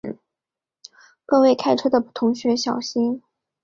各位开车的同学小心